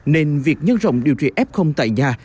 nên việc nhân rộng điều trị f tại nhà